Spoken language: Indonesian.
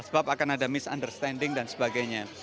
sebab akan ada misunderstanding dan sebagainya